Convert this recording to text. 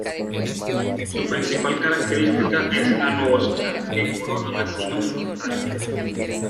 Su principal característica es la nubosidad que corona las cimas de las montañas.